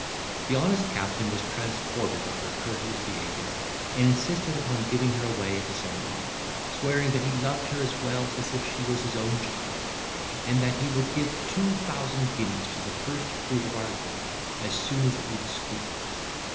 The honest captain was transported at her courteous behaviour, and insisted upon giving her away at the ceremony, swearing that he loved her as well as if she was his own child, and that he would give two thousand guineas to the first fruit of our love, as soon as it would squeak.